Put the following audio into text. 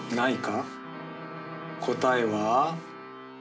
答えは。